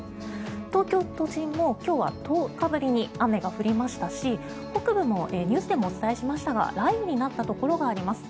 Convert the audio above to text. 東京都心も今日は１０日ぶりに雨が降りましたし北部もニュースでもお伝えしましたが雷雨になったところがあります。